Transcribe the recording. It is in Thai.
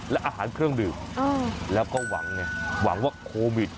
และอาหารเครื่องดื่มแล้วก็หวังไงหวังว่าโควิด